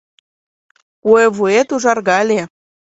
Куэ вует ужаргале;